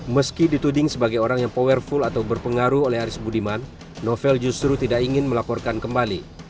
meski dituding sebagai orang yang powerful atau berpengaruh oleh aris budiman novel justru tidak ingin melaporkan kembali